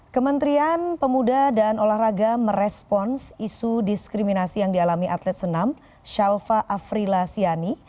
kementerian pemuda dan olahraga merespons isu diskriminasi yang dialami atlet senam shalfa afrila siani